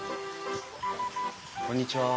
こんにちは。